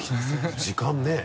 時間ねぇ。